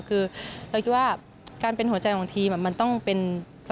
คือเราคิดว่าการเป็นหัวใจของทีมมันต้องเป็น